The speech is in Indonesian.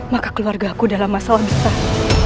maka keluarga aku dalam masalah besar